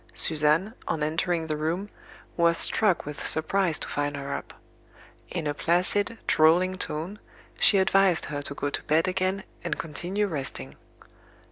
Suzanne, on entering the room, was struck with surprise to find her up. In a placid, drawling tone, she advised her to go to bed again, and continue resting.